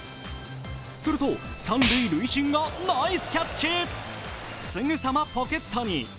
すると、三塁塁審がナイスキャッチすぐさまポケットに。